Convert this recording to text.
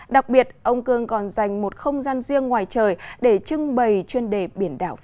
đặc biệt ông cương còn dành một không gian riêng ngoài trời để trưng bày chuyên đề biển đảo